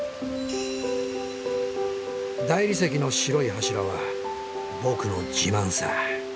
大理石の白い柱は僕の自慢さ。